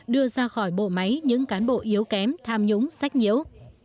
đưa ra khỏi bộ máy những cán bộ yếu kém tham nhũng sách nhiễu